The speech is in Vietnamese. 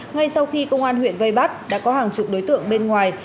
ngay sau khi công an huyện vây bắt đã có hàng chục đối tượng bên ngoài